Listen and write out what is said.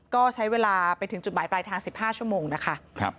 ก็ใช้เวลาไปถึงจุดหมายปลายทาง๑๕ชั่วโมงนะคะ